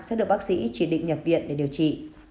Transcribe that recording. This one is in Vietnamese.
sẽ được bác sĩ chỉ định nhập viện để điều trị